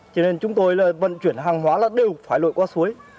cho nên chúng tôi là vận chuyển hàng hóa là đều phải lội qua suối